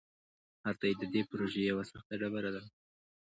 هر تایید د دې پروژې یوه سخته ډبره ده.